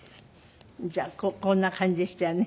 こんな感じでしたよね。